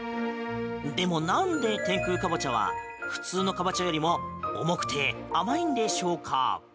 でもなんで、天空かぼちゃは普通のカボチャよりも重くて甘いのでしょうか？